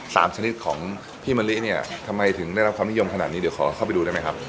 ชนิดของพี่มะลิเนี่ยทำไมถึงได้รับความนิยมขนาดนี้เดี๋ยวขอเข้าไปดูได้ไหมครับ